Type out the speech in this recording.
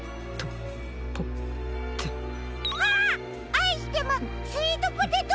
「あいしてまスイートポテト」！